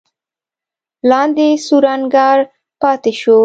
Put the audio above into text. لاندې سور انګار پاتې شو.